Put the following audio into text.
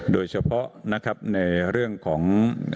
โดยเฉพาะในเรื่องของ